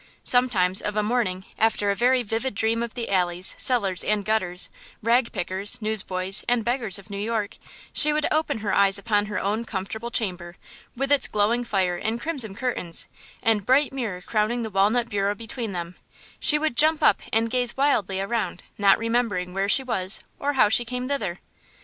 Sometimes of a morning, after a very vivid dream of the alleys, cellars and gutters, ragpickers, newsboys, and beggars of New York, she would open her eyes upon her own comfortable chamber, with its glowing fire and crimson curtains, and bright mirror crowning the walnut bureau between them, she would jump up and gaze wildly around, not remembering where she was or how she came thither.